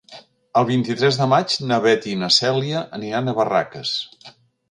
El vint-i-tres de maig na Beth i na Cèlia aniran a Barraques.